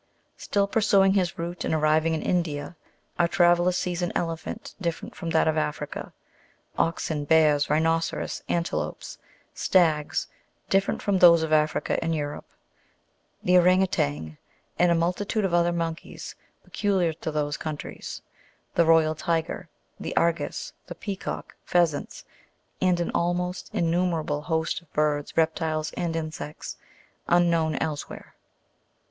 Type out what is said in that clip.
Still pursuing his route and arriving in India, our traveller sees an elephant different from that of Africa ; oxen, bears, rhinoceros, antelopes, stags, different from those of Africa and Europe ; the ourang outang, and a multitude of other monkeys peculiar to those countries ; the royal tiger, the argus, the peacock, pheasants, and an almost innumerable host of birds, reptiles, and insects, unknown elsewhere.